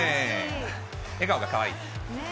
笑顔がかわいい。